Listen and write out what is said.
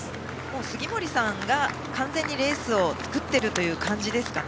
杉森さんが完全にレースを作っているという感じですかね。